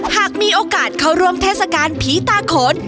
หากมีโอกาสเข้าร่วมเทศกาลผีตาโขน